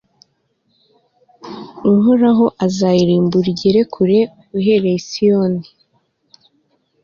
uhoraho azayirambura igere kure, uhereye i siyoni